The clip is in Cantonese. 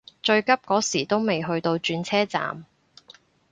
最急嗰時都未去到轉車站